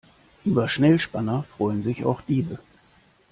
Über Schnellspanner freuen sich auch Diebe.